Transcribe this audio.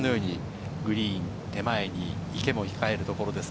グリーン手前に池も控えるところです。